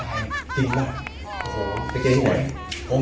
ในห่วง